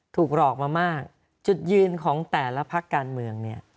ถูกหลอกมามากจุดยืนของแต่ละพักการเมืองเนี่ย